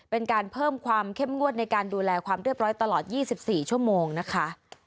เป็นการเพิ่มความเข้มงวดในการดูแลความเรียบร้อยตลอด๒๔ชั่วโมงนะคะ